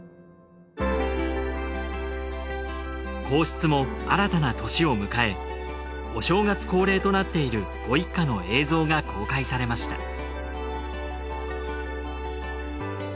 皇室も新たな年を迎えお正月恒例となっているご一家の映像が公開されました